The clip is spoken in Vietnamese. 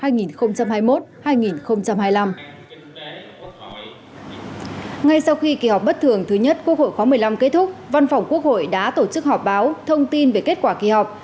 ngay sau khi kỳ họp bất thường thứ nhất quốc hội khóa một mươi năm kết thúc văn phòng quốc hội đã tổ chức họp báo thông tin về kết quả kỳ họp